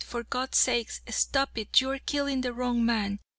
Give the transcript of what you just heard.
For God's sake, stop it! You are killing the wrong man!'